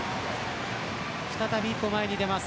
再び一歩、前に出ます。